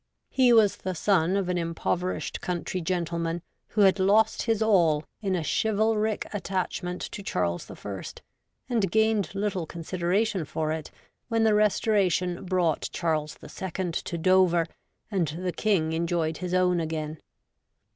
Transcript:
He was the son of an impoverished country gentleman who had lost his all in a chivalric attachment to Charles the First, and gained little consideration for it when the Restoration brought' Charles the Second to Dover, and the King enjoyed his own again.